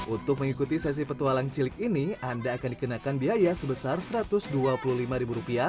untuk mengikuti sesi petualang cilik ini anda akan dikenakan biaya sebesar rp satu ratus dua puluh lima